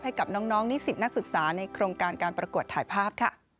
ให้กับน้องนิสิตนักศึกษาในโครงการการประกวดถ่ายภาพค่ะ